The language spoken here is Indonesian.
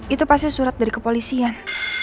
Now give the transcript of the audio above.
itu pasti surat dari kepolisian